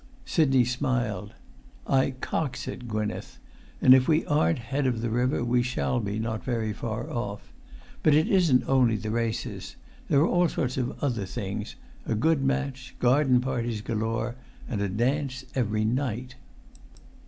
Sidney smiled. "I cox it, Gwynneth; and if we aren't head of the river we shall not be very far off. But it isn't only the races; there are all sorts of other things, a good match, garden parties galore, and a dance every night."